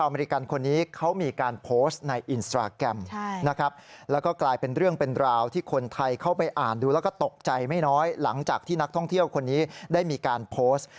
ไม่น้อยหลังจากที่นักท่องเที่ยวคนนี้ได้มีการโพสต์